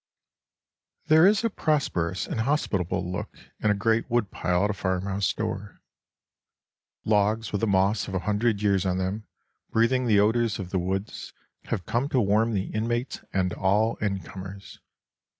There is a prosperous and hospitable look in a great woodpile at a farmhouse door. Logs with the moss of a hundred years on them, breathing the odors of the woods, have come to warm the inmates and all in comers.